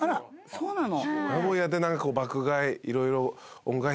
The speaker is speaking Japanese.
そうなの？